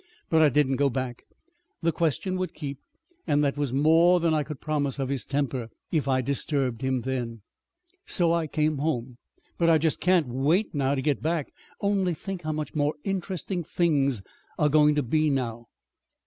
But I didn't go back. The question would keep and that was more than I could promise of his temper, if I disturbed him then. So I came home. But I just can't wait now to get back. Only think how much more interesting things are going to be now!"